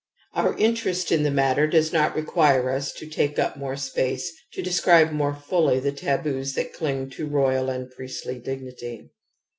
Our interest in the matter does not require us to take up more space to describe more fully the taboos that cling to royal and priestly dignity.